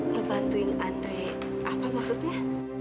ngebantuin andre apa maksudnya